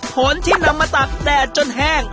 ผลที่นำมาตากแดดจนแห้ง